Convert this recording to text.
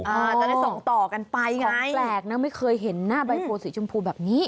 จะได้ส่งต่อกันไปไงของแปลกนะไม่เคยเห็นหน้าใบโพสีชมพูแบบนี้